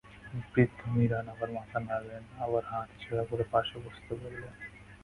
বৃদ্ধ মিরান আবার মাথা নাড়লেন, আবার হাত ইশারা করে পাশে বসতে বললেন।